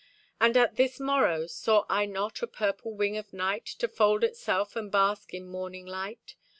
And at this morrow Saw I not a purple wing of night To fold itself and bask in morning light?